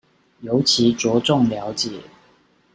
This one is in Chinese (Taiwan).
尤其著重了解